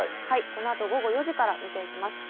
このあと午後４時から見ていきます。